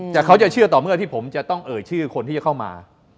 แต่เขาจะเชื่อต่อเมื่อที่ผมจะต้องเอ่ยชื่อคนที่จะเข้ามา